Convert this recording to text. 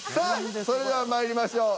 それでは参りましょう。